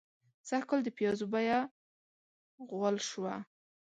سږکال د پيازو بيه غول شوه.